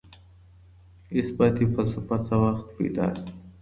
اثباتي فلسفه څه وخت پيدا سوه؟